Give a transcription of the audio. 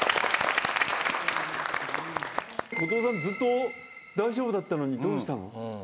ずっと大丈夫だったのにどうしたの？